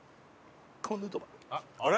あれ？